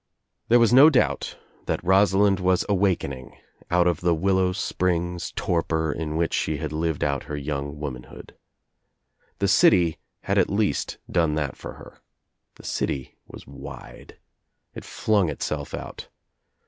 There was no doubt that Rosalind was awakening out of the Willow Springs torpor in which she had lived out her young womanhood. The city had at least done that for her. The city was wide. It flung itself out.